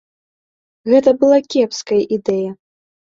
Гэта была кепская ідэя.